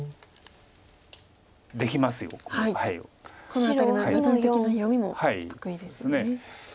この辺りの部分的な読みも得意ですよね。